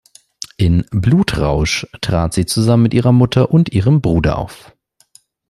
In "Blutrausch" trat sie zusammen mit ihrer Mutter und ihrem Bruder auf.